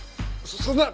そんな！